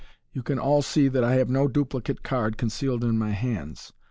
You can all see that I have no duplicate card concealed in my hands.